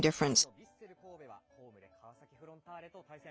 首位のヴィッセル神戸はホームで川崎フロンターレと対戦。